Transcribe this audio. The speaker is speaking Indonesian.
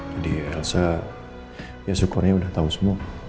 jadi elsa ya syukurnya udah tahu semua